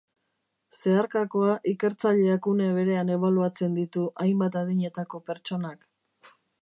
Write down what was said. Zeharkakoa Ikertzaileak une berean ebaluatzen ditu hainbat adinetako pertsonak.